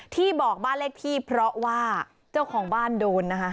ที่บอกบ้านเลขที่เพราะว่าเจ้าของบ้านโดนนะคะ